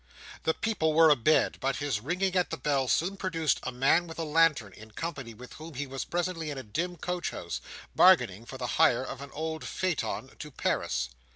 The people were a bed; but his ringing at the bell soon produced a man with a lantern, in company with whom he was presently in a dim coach house, bargaining for the hire of an old phaeton, to Paris.